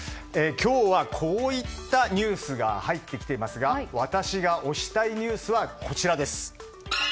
今日はこういったニュースが入ってきていますが私が推したいニュースはこちら。